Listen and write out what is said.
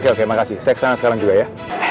oke makasih saya kesana sekarang juga ya